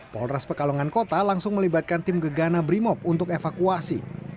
polres pekalongan kota langsung melibatkan tim gegana brimob untuk evakuasi